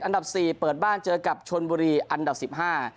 อันดับสี่เปิดบ้านเจอกับชนบุรีอันดับสิบห้า